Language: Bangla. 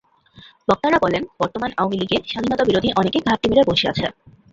বক্তারা বলেন বর্তমান আওয়ামী লীগে স্বাধীনতাবিরোধী অনেকে ঘাপটি মেরে বসে আছে।